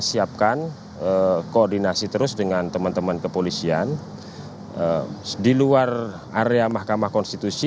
siapkan koordinasi terus dengan teman teman kepolisian di luar area mahkamah konstitusi